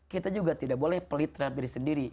kita juga tidak boleh pelit terhadap diri sendiri